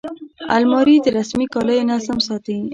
الماري د رسمي کالیو نظم ساتي